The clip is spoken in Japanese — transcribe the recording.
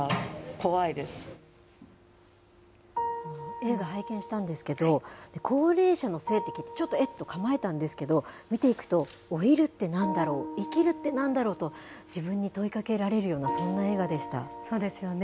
映画、拝見したんですけど、高齢者の性って、ちょっと、えっ？と構えたんですけど、見ていくと、老いるってなんだろう、生きるってなんだろうと、自分に問いかけられるような、そんな映そうですよね。